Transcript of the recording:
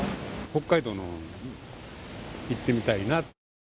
北海道のほうに行ってみたいなと。